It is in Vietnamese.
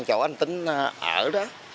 chỗ anh tính ở đó